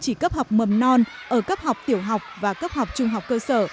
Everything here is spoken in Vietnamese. chỉ cấp học mầm non ở cấp học tiểu học và cấp học trung học cơ sở